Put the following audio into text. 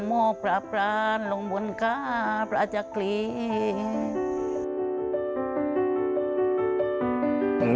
โมกพระพราณลงบนข้าพระจักรี